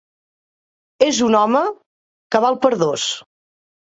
És un home que val per dos.